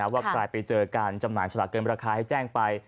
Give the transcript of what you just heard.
ว่าใครไปเจอการจำหน่ายสลากเกินราคาให้แจ้งไป